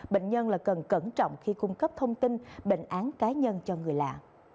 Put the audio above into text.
bệnh nhân là cần cẩn trọng khi cung cấp thông tin bệnh án cá nhân cho người lạ